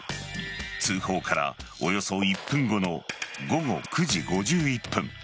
通報からおよそ１分後の午後９時５１分。